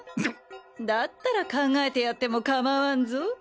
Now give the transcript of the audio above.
だったら考えてやっても構わんぞ。